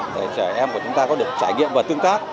để trẻ em của chúng ta có được trải nghiệm và tương tác